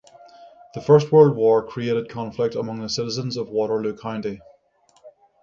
The First World War created conflict among the citizens of Waterloo County.